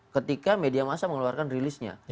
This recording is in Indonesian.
ketika media masa mengeluarkan rilisnya